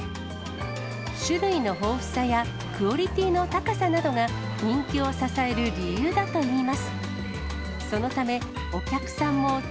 種類の豊富さやクオリティーの高さなどが、人気を支える理由だといいます。